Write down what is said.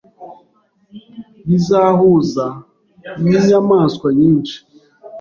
Bizahuza ninyamaswa nyinshi